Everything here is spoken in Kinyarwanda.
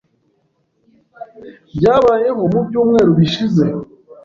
byabayeho mu byumweru bishize.